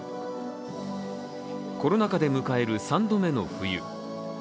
コロナ禍で迎える３度目の冬。